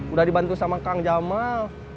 udah dibantu sama kang jamal